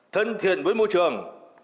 thân thiện với môi trường